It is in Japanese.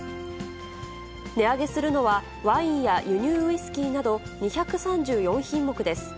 値上げするのは、ワインや輸入ウイスキーなど２３４品目です。